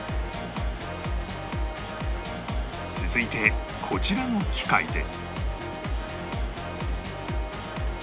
続いてこちらの機械で